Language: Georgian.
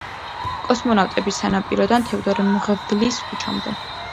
კოსმონავტების სანაპიროდან თევდორე მღვდლის ქუჩამდე.